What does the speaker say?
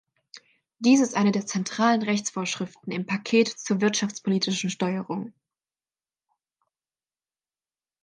Dies ist eine der zentralen Rechtsvorschriften im Paket zur wirtschaftspolitischen Steuerung.